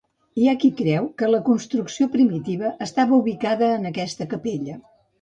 Hi ha qui creu que la construcció primitiva estava ubicada en aquesta capella.